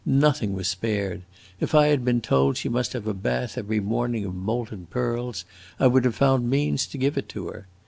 Nothing was spared; if I had been told that she must have a bath every morning of molten pearls, I would have found means to give it to her.